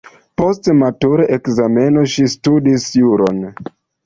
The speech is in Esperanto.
Post matur-ekzameno ŝi studis juron.